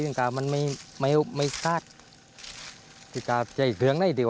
ถึงกับมันไม่ไม่ไม่สร้างถึงกับใจเผื้องได้เดี๋ยวอ่ะ